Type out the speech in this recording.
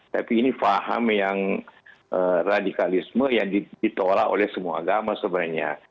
tapi ini faham yang radikalisme yang ditolak oleh semua agama sebenarnya